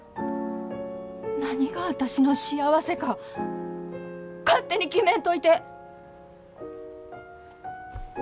何が私の幸せか勝手に決めんといて！